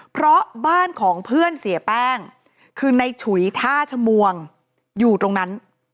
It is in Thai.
เพราะบ้านของเพื่อนเสียแป้งคือในฉุยท่าชมวงอยู่ตรงนั้น